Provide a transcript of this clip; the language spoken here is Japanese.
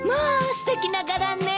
すてきな柄ね。